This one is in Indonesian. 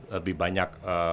lebih banyak pihak